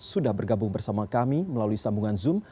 sudah bergabung bersama kami melalui sambungan zoom